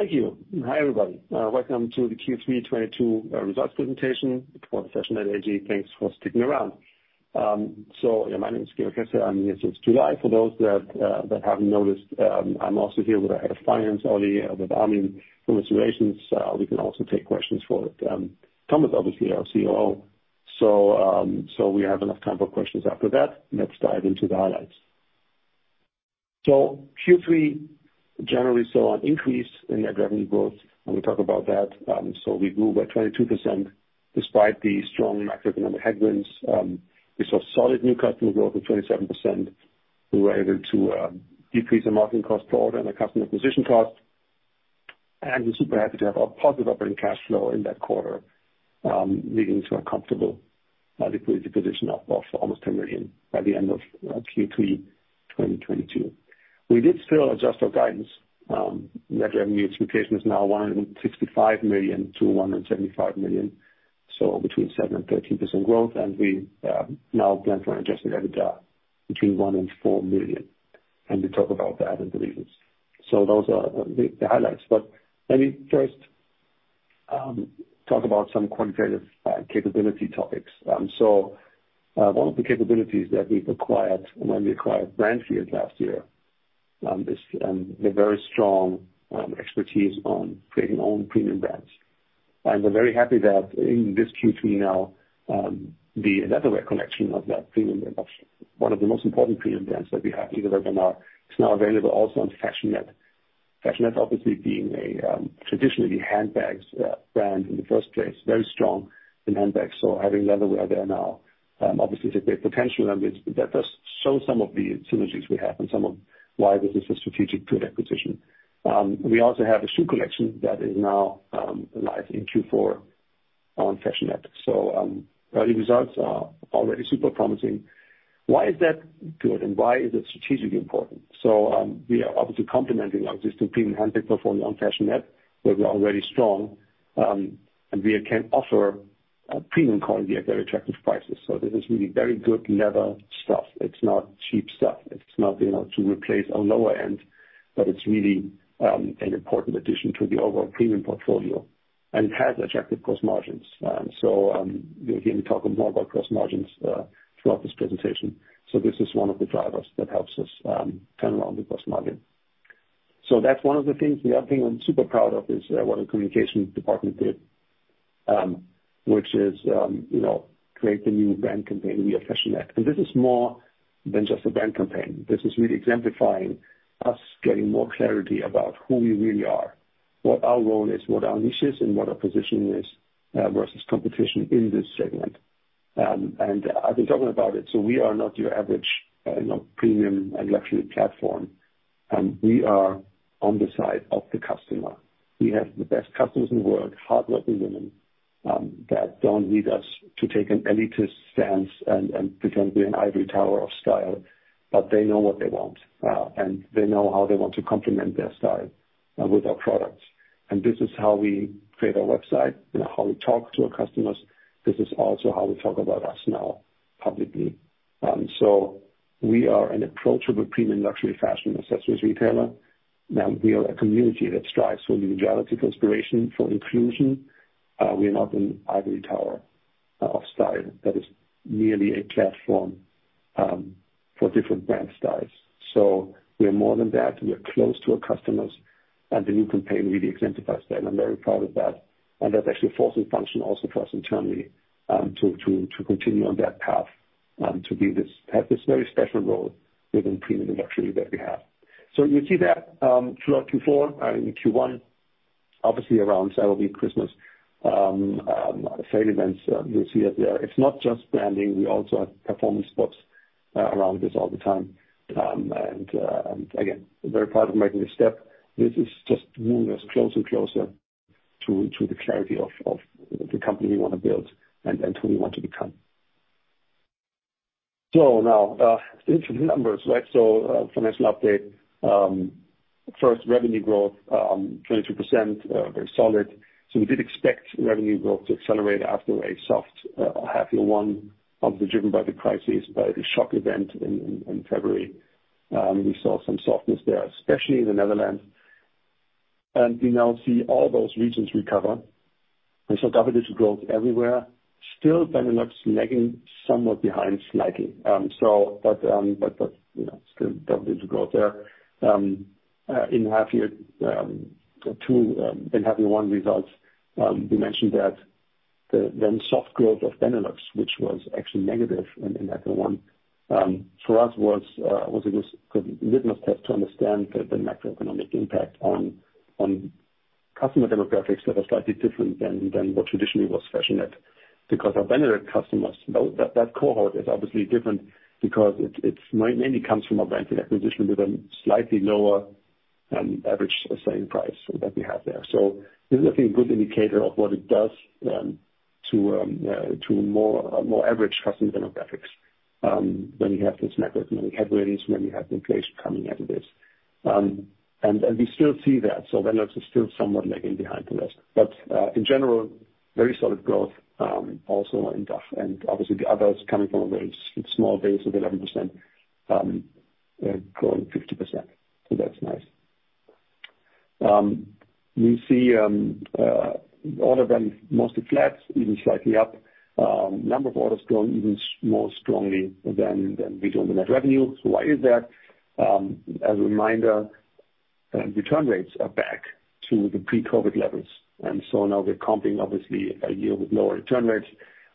Thank you. Hi, everybody. Welcome to the Q3 2022 results presentation for the Fashionette AG. Thanks for sticking around. My name is Georg Hesse. I'm here since July. For those that haven't noticed, I'm also here with our head of finance, Oli, with Armin from Investor Relations. We can also take questions for Thomas, obviously, our COO. We have enough time for questions after that. Let's dive into the highlights. Q3 generally saw an increase in net revenue growth, and we'll talk about that. We grew by 22% despite the strong macroeconomic headwinds. We saw solid new customer growth of 27%. We were able to decrease the marketing cost per order and the customer acquisition cost. We're super happy to have a positive operating cash flow in that quarter, leading to a comfortable liquidity position of almost 10 million by the end of Q3 2022. We did still adjust our guidance. Net revenue expectation is now 165 million-175 million, between 7%-13% growth. We now plan for an Adjusted EBITDA between 1 million and 4 million. We talk about that in the regions. Those are the highlights. Let me first talk about some quantitative capability topics. One of the capabilities that we've acquired when we acquired Brandfield last year is the very strong expertise on creating own premium brands. We're very happy that in this Q3 now, the Leatherware collection of that premium brand, of one of the most important premium brands that we have, is now available also on Fashionette. Fashionette obviously being a traditionally handbags brand in the first place, very strong in handbags. Having Leatherware there now obviously is a great potential, and that does show some of the synergies we have and some of why this is a strategic good acquisition. We also have a shoe collection that is now live in Q4 on Fashionette. Early results are already super promising. Why is that good and why is it strategically important? We are obviously complementing our existing premium handbag portfolio on Fashionette, where we're already strong, and we can offer a premium quality at very attractive prices. This is really very good leather stuff. It's not cheap stuff. It's not, you know, to replace a lower end, but it's really an important addition to the overall premium portfolio and has attractive gross margins. You'll hear me talk more about gross margins throughout this presentation. This is one of the drivers that helps us turn around the gross margin. That's one of the things. The other thing I'm super proud of is what our communications department did, which is, you know, create the new brand campaign, We Are Fashionette. This is more than just a brand campaign. This is really exemplifying us getting more clarity about who we really are, what our role is, what our niche is, and what our position is versus competition in this segment. I've been talking about it. We are not your average, you know, premium and luxury platform. We are on the side of the customer. We have the best customers in the world, hardworking women that don't need us to take an elitist stance and pretend we're an ivory tower of style. They know what they want, and they know how they want to complement their style with our products. This is how we create our website, you know, how we talk to our customers. This is also how we talk about us now publicly. We are an approachable premium luxury fashion accessories retailer. We are a community that strives for individuality, for inspiration, for inclusion. We are not an ivory tower of style that is merely a platform for different brand styles. We are more than that. We are close to our customers, and the new campaign really exemplifies that. I'm very proud of that. That's actually forcing function also for us internally to continue on that path to have this very special role within premium luxury that we have. You see that throughout Q4 and in Q1, obviously around Cyber Week, Christmas sale events. You'll see it there. It's not just branding. We also have performance spots around this all the time. Again, very proud of making this step. This is just moving us closer and closer to the clarity of the company we wanna build and who we want to become. Now into the numbers, right? Financial update. First, revenue growth, 22%, very solid. We did expect revenue growth to accelerate after a soft half year one, obviously driven by the crisis, by the shock event in February. We saw some softness there, especially in the Netherlands. We now see all those regions recover. We saw double-digit growth everywhere. Still, Benelux lagging somewhat behind slightly. But you know, still double-digit growth there. In half year two, in half year one results, we mentioned that the then soft growth of Benelux, which was actually negative in half year one, for us was a good litmus test to understand the macroeconomic impact on customer demographics that are slightly different than what traditionally was Fashionette. Because our Benelux customers, though, that cohort is obviously different because it mainly comes from a brand new acquisition with a slightly lower average selling price that we have there. This is actually a good indicator of what it does to more average customer demographics, when you have these macroeconomic headwinds, when you have inflation coming at us. We still see that. Benelux is still somewhat lagging behind the rest. In general, very solid growth, also in DACH. Obviously the others coming from a very small base of 11%, growing 50%. That's nice. We see order value mostly flat, even slightly up. Number of orders growing even more strongly than we grow the net revenue. Why is that? As a reminder, return rates are back to the pre-COVID levels, and so now we're comping obviously a year with lower return rates.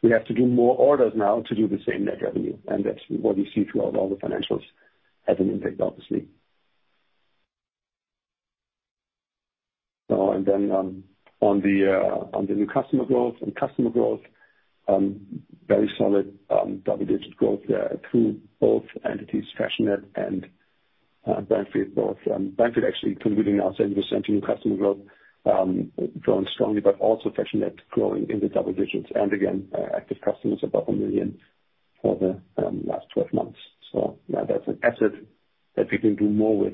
We have to do more orders now to do the same net revenue. That's what we see throughout all the financials have an impact, obviously. On the new customer growth and customer growth, very solid double-digit growth through both entities, Fashionette and Brandfield, both. Brandfield actually contributing now 70% to new customer growth, growing strongly but also Fashionette growing in the double digits. Again, active customers above 1 million for the last 12 months. Yeah, that's an asset that we can do more with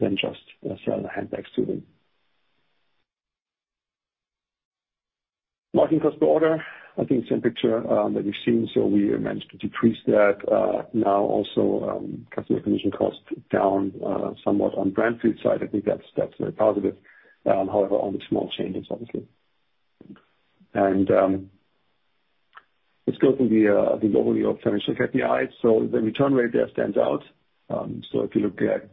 than just sell handbags to them. Marketing cost per order, I think same picture that we've seen. We managed to decrease that. Now also, customer acquisition cost down somewhat on Brandfield's side. I think that's very positive. However, only small changes, obviously. Let's go through the overview of financial KPIs. The return rate there stands out. If you look at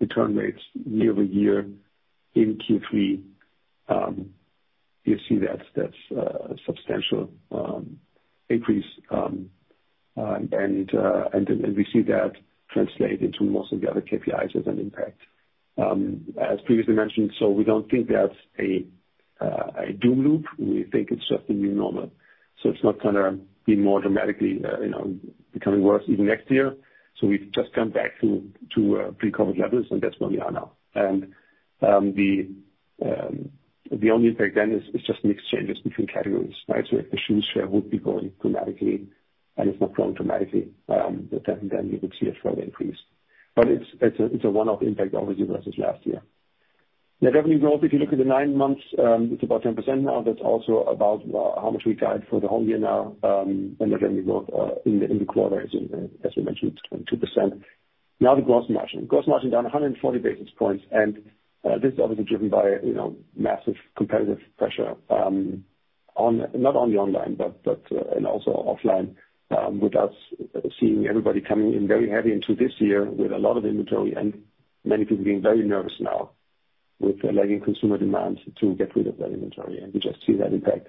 return rates year-over-year in Q3, you see that's a substantial increase. We see that translate into most of the other KPIs as an impact. As previously mentioned, we don't think that's a doom loop. We think it's just the new normal. It's not gonna be more dramatically, you know, becoming worse even next year. We've just come back to pre-COVID levels and that's where we are now. The only impact then is just mix changes between categories, right? If the shoes share would be growing dramatically, and it's not growing dramatically, but then you would see a further increase. It's a one-off impact obviously versus last year. Net revenue growth, if you look at the nine months, it's about 10% now. That's also about how much we guide for the whole year now, and net revenue growth in the quarter, as we mentioned, it's 22%. Now the gross margin. Gross margin down 140 basis points. This is obviously driven by, you know, massive competitive pressure on not only online, but also offline, with us seeing everybody coming in very heavy into this year with a lot of inventory and many people being very nervous now with a lagging consumer demand to get rid of that inventory. We just see that impact.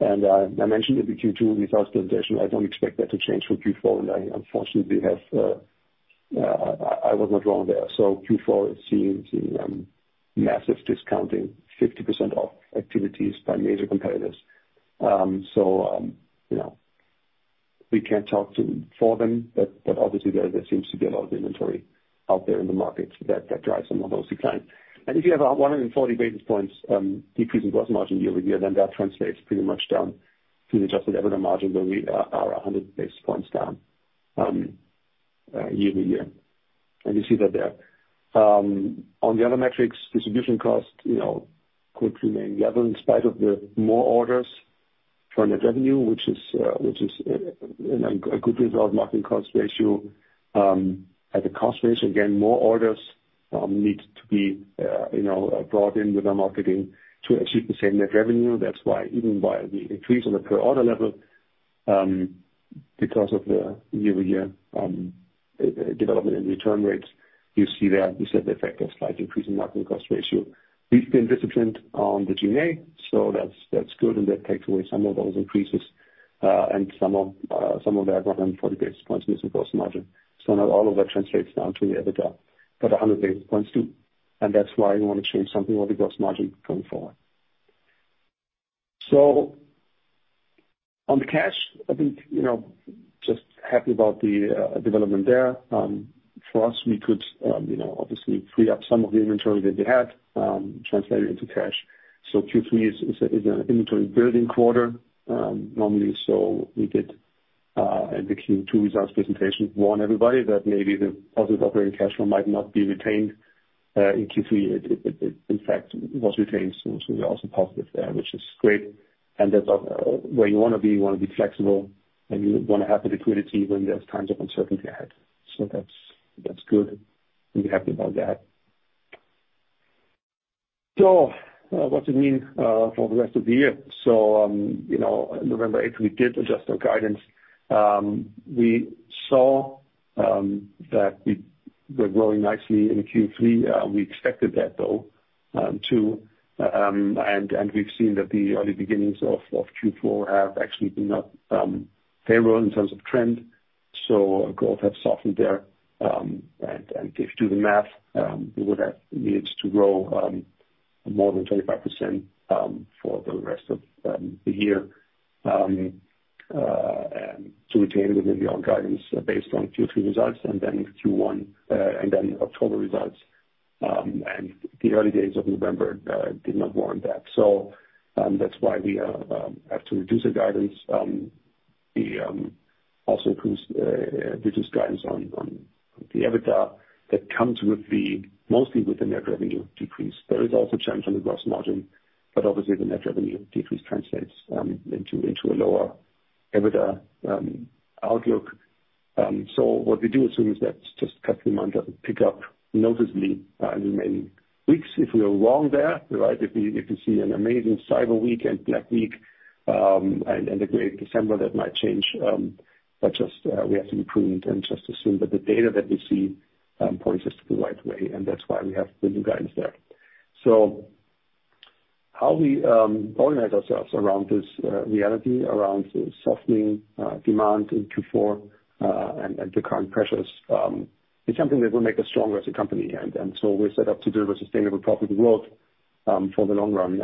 I mentioned it in Q2 results presentation, I don't expect that to change for Q4. Unfortunately, I was not wrong there. Q4 is seeing massive discounting, 50% off activities by major competitors. You know, we can't talk for them, but obviously there seems to be a lot of inventory out there in the market that drives some of those declines. If you have a 140 basis points decrease in gross margin year-over-year, then that translates pretty much down to the Adjusted EBITDA margin where we are 100 basis points down year-over-year. You see that there. On the other metrics, distribution costs, you know, could remain level in spite of the more orders for net revenue, which is a good result. Marketing cost ratio at the cost ratio, again, more orders need to be, you know, brought in with our marketing to achieve the same net revenue. That's why even by the increase on the per order level, because of the year-over-year development in return rates, you see that this had the effect of slightly increasing marketing cost ratio. We've been disciplined on the G&A, so that's good and that takes away some of those increases, and some of the other 140 basis points missing gross margin. Not all of that translates down to the EBITDA, but 100 basis points do. That's why we wanna change something on the gross margin going forward. On the cash, I think, you know, just happy about the development there. For us, we could, you know, obviously free up some of the inventory that we had, translating into cash. Q3 is an inventory building quarter, normally. We did, in the Q2 results presentation, warn everybody that maybe the positive operating cash flow might not be retained, in Q3. It in fact was retained, so we're also positive there, which is great. That's where you wanna be. You wanna be flexible, and you wanna have the liquidity when there's times of uncertainty ahead. That's good. We're happy about that. What's it mean for the rest of the year? You know, November eighth, we did adjust our guidance. We saw that we were growing nicely in Q3. We expected that though, too. We've seen that the early beginnings of Q4 have actually been favorable in terms of trend. Growth has softened there. If you do the math, we would have needed to grow more than 25% for the rest of the year and to retain within the old guidance based on Q3 results and then Q1 and then October results and the early days of November did not warrant that. That's why we have to reduce the guidance. We also reduce guidance on the EBITDA that comes mostly with the net revenue decrease. There is also a change on the gross margin, but obviously the net revenue decrease translates into a lower EBITDA outlook. What we do assume is that just customer demand doesn't pick up noticeably in the main weeks. If we are wrong there, right, if we see an amazing Cyber Week and Black Week and a great December, that might change. Just we have to be prudent and just assume that the data that we see points us to the right way and that's why we have the new guidance there. How we organize ourselves around this reality, around the softening demand in Q4 and the current pressures is something that will make us stronger as a company. We're set up to deliver sustainable profitable growth for the long run.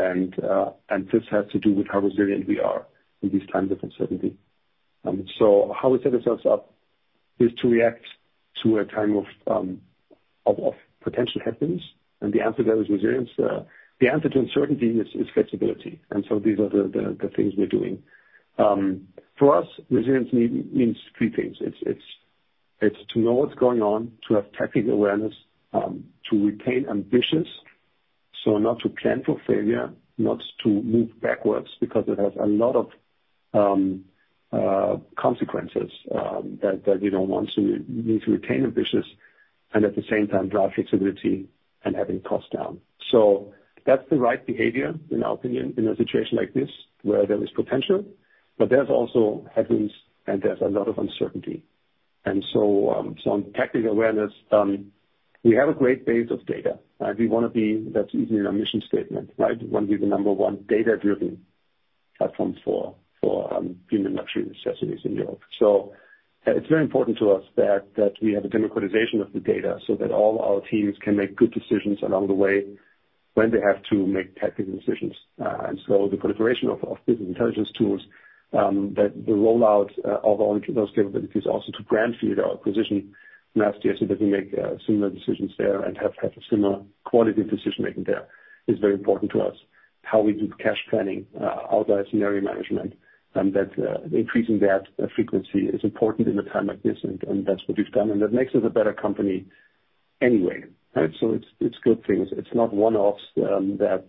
This has to do with how resilient we are in these times of uncertainty. How we set ourselves up is to react to a time of potential headwinds, and the answer to that is resilience. The answer to uncertainty is flexibility. These are the things we're doing. For us, resilience means three things. It's to know what's going on, to have tactical awareness, to retain ambitions, so not to plan for failure, not to move backwards because it has a lot of consequences that you don't want to. You need to retain ambitions and at the same time drive flexibility and having costs down. That's the right behavior in our opinion, in a situation like this where there is potential, but there's also headwinds and there's a lot of uncertainty. On tactical awareness, we have a great base of data, right? That's even in our mission statement, right? We wanna be the number one data-driven platform for premium and luxury fashion accessories in Europe. It's very important to us that we have a democratization of the data so that all our teams can make good decisions along the way when they have to make tactical decisions. The proliferation of business intelligence tools, the rollout of all those capabilities also to Brandfield, our acquisition last year, so that we make similar decisions there and have a similar quality of decision-making there is very important to us. How we do cash planning, our scenario management, increasing that frequency is important in a time like this, and that's what we've done, and that makes us a better company anyway, right? It's good things. It's not one-offs, that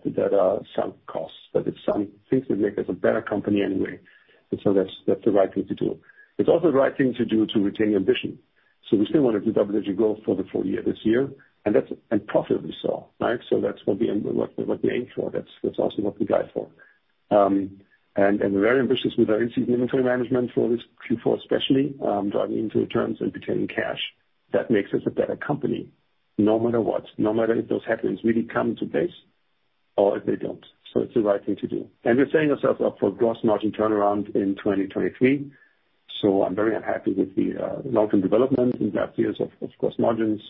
sunk costs, but it's some things that make us a better company anyway. That's the right thing to do. It's also the right thing to do to retain ambition. We still wanted double-digit growth for the full year this year, and profitably so, right? That's what we aim for. That's also what we guide for. We're very ambitious with our in-season inventory management for this Q4 especially, driving down returns and retaining cash. That makes us a better company no matter what, no matter if those headwinds really come to pass or if they don't. It's the right thing to do. We're setting ourselves up for gross margin turnaround in 2023. I'm very unhappy with the long-term development over those years of gross margins.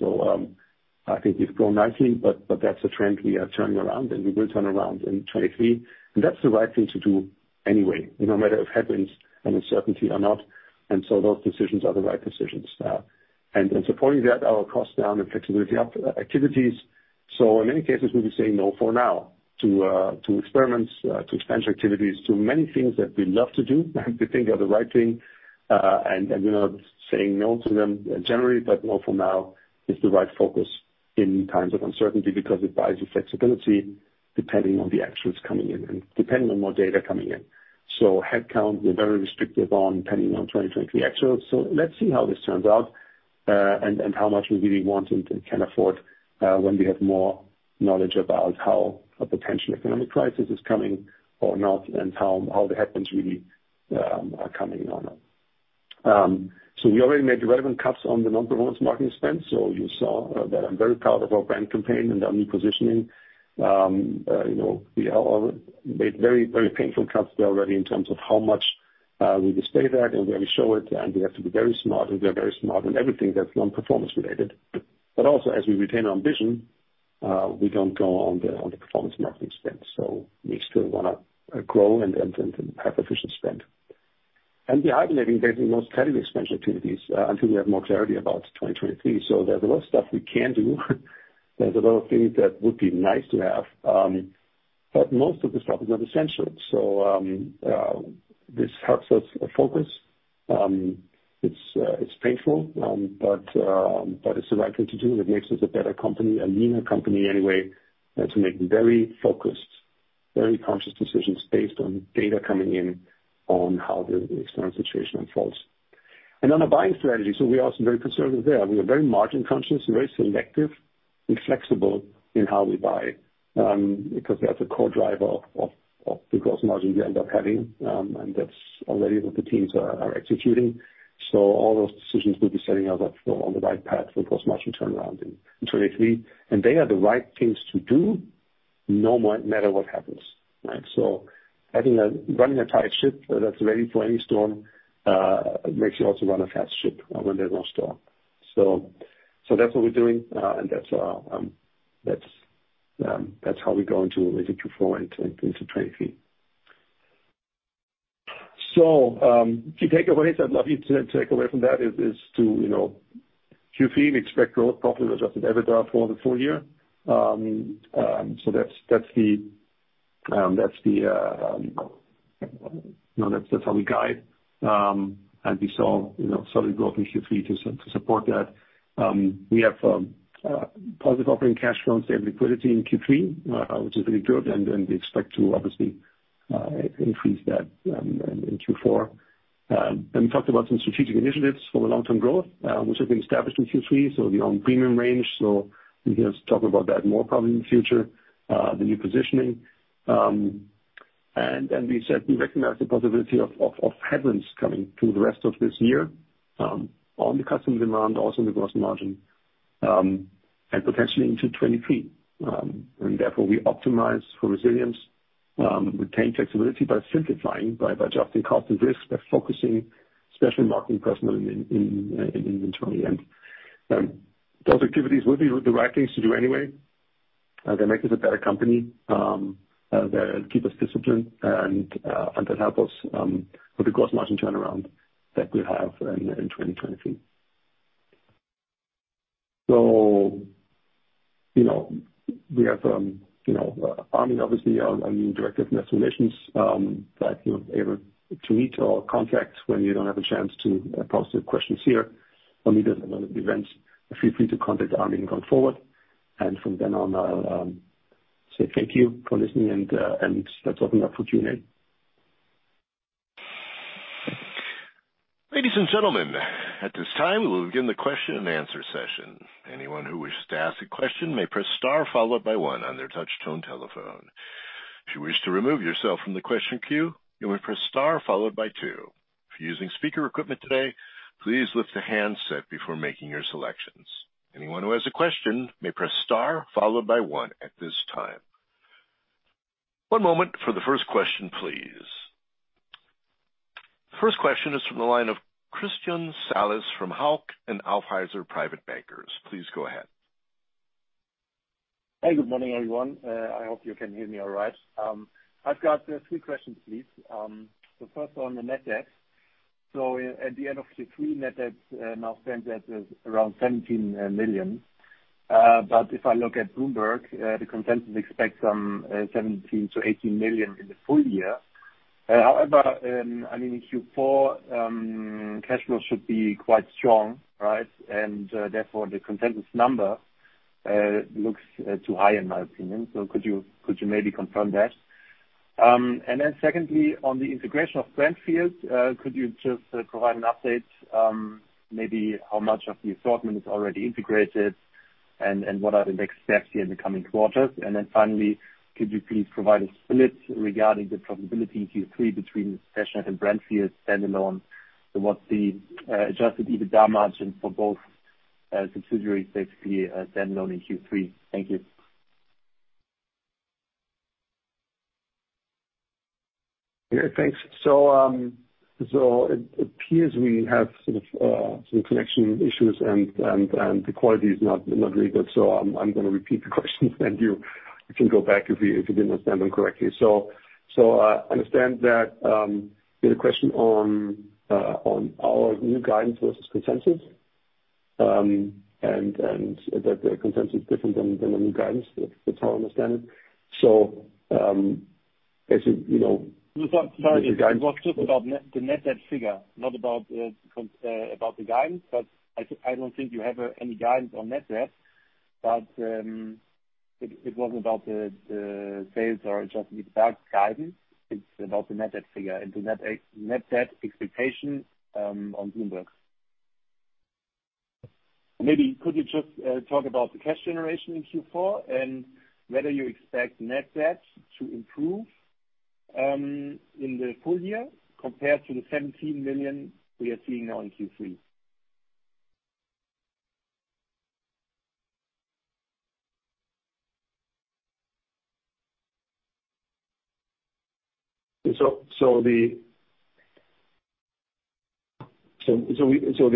I think we've grown nicely, but that's a trend we are turning around, and we will turn around in 2023. That's the right thing to do anyway, you know, no matter if headwinds and uncertainty or are not, and those decisions are the right decisions. Supporting that are our cost down and flexibility up activities. In many cases we'll be saying no for now to experiments, to expansion activities, to many things that we love to do, we think are the right thing. We're not saying no to them generally, but no for now is the right focus in times of uncertainty because it buys you flexibility depending on the actions coming in and depending on what data coming in. Headcount, we're very restrictive on depending on 2023 actuals. Let's see how this turns out, and how much we really want and can afford, when we have more knowledge about how a potential economic crisis is coming or not and how the headwinds really are coming or not. We already made relevant cuts on the non-performance marketing spend. You saw that I'm very proud of our brand campaign and our new positioning. You know, we all made very painful cuts there already in terms of how much we display that and where we show it. We have to be very smart, and we are very smart on everything that's non-performance related. Also, as we retain our ambition, we don't go on the performance marketing spend. We still wanna grow and have efficient spend. We are hibernating basically most category expansion activities until we have more clarity about 2023. There's a lot of stuff we can do. There's a lot of things that would be nice to have. Most of the stuff is not essential. This helps us focus. It's painful, but it's the right thing to do. It makes us a better company, a leaner company anyway, to make very focused, very conscious decisions based on data coming in on how the external situation unfolds. On a buying strategy, we are also very conservative there. We are very margin conscious, very selective and flexible in how we buy, because that's a core driver of the gross margin we end up having. That's already what the teams are executing. All those decisions will be setting us up on the right path for gross margin turnaround in 2023. They are the right things to do no matter what happens, right? Running a tight ship that's ready for any storm makes you also run a fast ship when there's no storm. That's what we're doing and that's how we go into really Q4 and into 2023. Key takeaways I'd love you to take away from that is to, you know, Q3, we expect growth, profit, Adjusted EBITDA for the full year. That's how we guide. We saw, you know, solid growth in Q3 to support that. We have positive operating cash flows and liquidity in Q3, which is really good. We expect to obviously increase that in Q4. We talked about some strategic initiatives for the long-term growth, which have been established in Q3, the own premium range. You can just talk about that more probably in the future, the new positioning. We said we recognize the possibility of headwinds coming through the rest of this year, on the customer demand, also in the gross margin, and potentially into 2023. Therefore we optimize for resilience, retain flexibility by simplifying, by adjusting cost and risk, by focusing especially marketing personnel in inventory. Those activities would be the right things to do anyway. They make us a better company, they keep us disciplined and they help us with the gross margin turnaround that we have in 2023. You know, we have, you know, Armin, obviously, our new Director of Investor Relations, that you're able to reach or contact when you don't have a chance to pose the questions here or meet us in one of the events. Feel free to contact Armin going forward. From then on, I'll say thank you for listening and let's open up for Q&A. Ladies, and gentlemen, at this time, we will begin the question-and-answer session. Anyone who wishes to ask a question may press star followed by one on their touch tone telephone. If you wish to remove yourself from the question queue, you may press star followed by two. If you're using speaker equipment today, please lift the handset before making your selections. Anyone who has a question may press star followed by one at this time. One moment for the first question, please. First question is from the line of Christian Salis from Hauck Aufhäuser Lampe Privatbank AG. Please go ahead. Hey, good morning, everyone. I hope you can hear me all right. I've got three questions please. The first on the net debt. At the end of Q3, net debt now stands at around 17 million. If I look at Bloomberg, the consensus expects some 17 million-18 million in the full year. However, I mean, in Q4, cash flow should be quite strong, right? Therefore, the consensus number looks too high, in my opinion. Could you maybe confirm that? Secondly, on the integration of Brandfield, could you just provide an update, maybe how much of the assortment is already integrated and what are the next steps here in the coming quarters? Then finally, could you please provide a split regarding the profitability in Q3 between Fashionette and Brandfield standalone? What's the Adjusted EBITDA margin for both subsidiaries, basically, standalone in Q3? Thank you. Yeah, thanks. It appears we have sort of some connection issues and the quality is not really good. I'm gonna repeat the question and you can go back if you didn't understand them correctly. I understand that you had a question on our new guidance versus consensus, and that the consensus is different than the new guidance. That's how I understand it. As you know. Sorry. It was just about net, the net debt figure, not about the guidance. I don't think you have any guidance on net debt. It wasn't about the sales or Adjusted EBITDA guidance. It's about the net debt figure and the net debt expectation on Bloomberg. Maybe could you just talk about the cash generation in Q4 and whether you expect net debt to improve in the full year compared to the 17 million we are seeing now in Q3?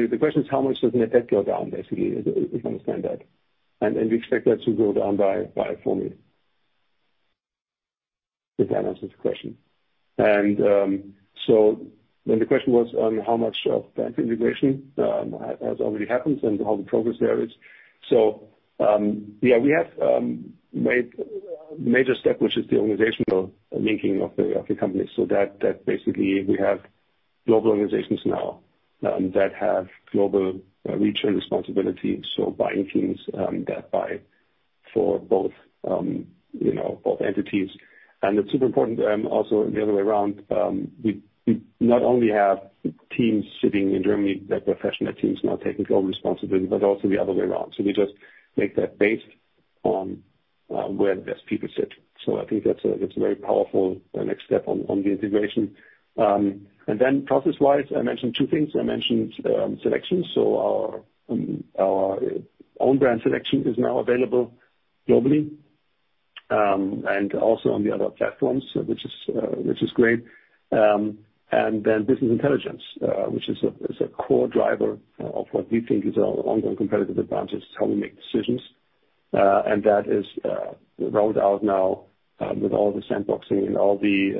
The question is how much does net debt go down, basically, if I understand that. We expect that to go down by 4 million. If that answers the question. The question was on how much of Brandfield integration has already happened and how the progress there is. We have made a major step, which is the organizational linking of the companies so that basically we have global organizations now that have global reach and responsibility, buying teams that buy for both, you know, both entities. It's super important also the other way around. We not only have teams sitting in Germany that were Fashionette teams now taking global responsibility, but also the other way around. We just make that based on where the best people sit. I think that's a very powerful next step on the integration. Process-wise, I mentioned two things. I mentioned selection. Our own brand selection is now available globally and also on the other platforms, which is great. Business intelligence, which is a core driver of what we think is our ongoing competitive advantage. It's how we make decisions. That is rolled out now, with all the sandboxing and all the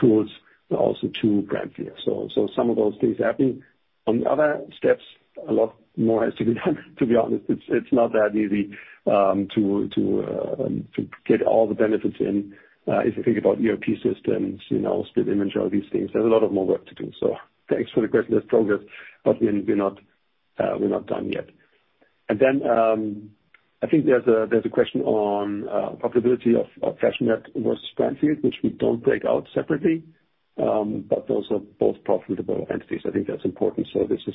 tools also to Brandfield. Some of those things are happening. On the other steps, a lot more has to be done to be honest. It's not that easy to get all the benefits in. If you think about ERP systems, you know, split image, all these things, there's a lot more work to do. Thanks for the question. There's progress, but we're not done yet. I think there's a question on profitability of Fashionette versus Brandfield, which we don't break out separately. But those are both profitable entities. I think that's important. This is,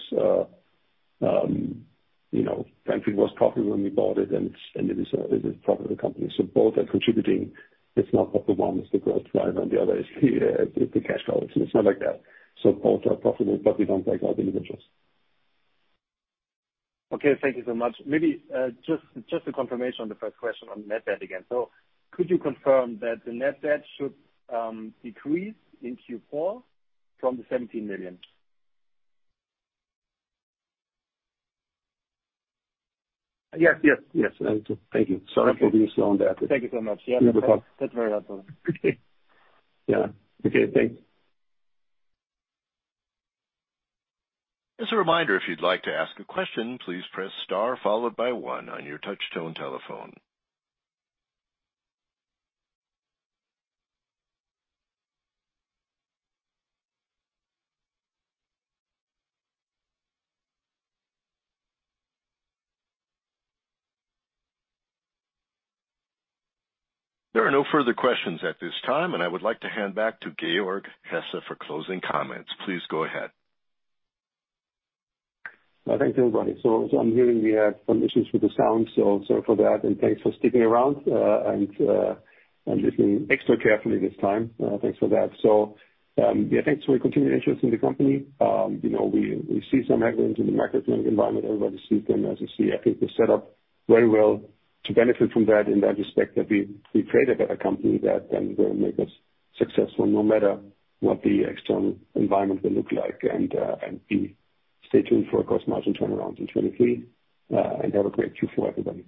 you know, Brandfield was profitable when we bought it, and it is a profitable company. Both are contributing. It's not that the one is the growth driver and the other is the cash cow. It's not like that. Both are profitable, but we don't break out the individuals. Okay, thank you so much. Maybe just a confirmation on the first question on net debt again. Could you confirm that the net debt should decrease in Q4 from EUR 17 million? Yes, yes. Thank you. Sorry for being slow on that. Thank you so much. Yeah. No problem. That's very helpful. Yeah. Okay, thanks. As a reminder, if you'd like to ask a question, please press star followed by one on your touch tone telephone. There are no further questions at this time, and I would like to hand back to Georg Hesse for closing comments. Please go ahead. Thank you, everybody. I'm hearing we have some issues with the sound, so for that, and thanks for sticking around, and listening extra carefully this time. Thanks for that. Yeah, thanks for your continued interest in the company. You know, we see some headwinds in the macroeconomic environment. Everybody sees them, as you see. I think we're set up very well to benefit from that in that respect, that we've created a company that will make us successful no matter what the external environment will look like. We stay tuned for a gross margin turnaround in 2023. Have a great Q4, everybody.